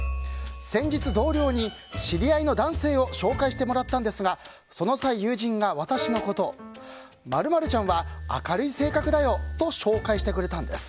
先日、同僚に知り合いの男性を紹介してもらったんですがその際、友人が私のことを〇〇ちゃんは明るい性格だよと紹介してくれたんです。